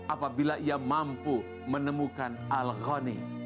apabila ia mampu menemukan al ghani